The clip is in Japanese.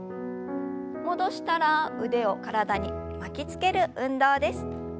戻したら腕を体に巻きつける運動です。